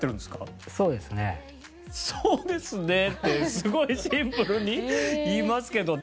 「そうですね」ってすごいシンプルに言いますけど。